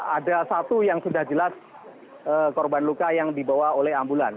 ada satu yang sudah jelas korban luka yang dibawa oleh ambulan